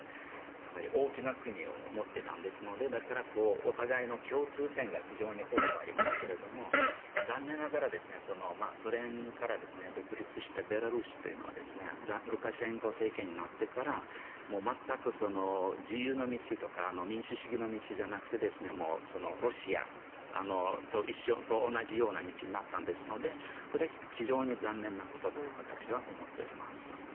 かなり大きな国を持ってたのでだから、お互いの共通点が非常に多くありますけれども残念ながらソ連から独立してベラルーシというのはルカシェンコ政権になってから全く、自由の道とか民主主義の道じゃなくてロシアと同じような道になったんですがこれは非常に残念なことだと私は思っています。